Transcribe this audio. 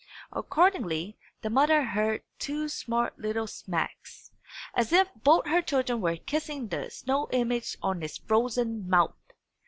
Accordingly, the mother heard two smart little smacks, as if both her children were kissing the snow image on its frozen mouth.